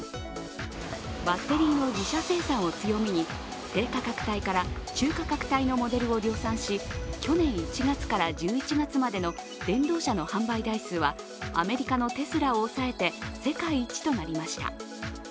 バッテリーの自社生産を強みに低価格帯から、中価格帯のモデルを量産し去年１月から１１月までの電動車の販売台数はアメリカのテスラを抑えて世界一となりました。